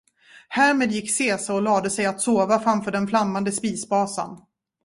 Härmed gick Cesar och lade sig att sova framför den flammande spisbrasan.